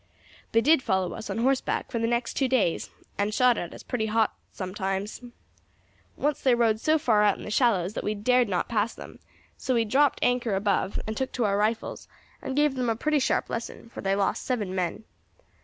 They did follow us, on horseback, for the next two days, and shot at us pretty hot at times. Once they rode so far out in the shallows that we dared not pass them; so we dropped anchor above, and took to our rifles, and gave them a pretty sharp lesson, for they lost seven men.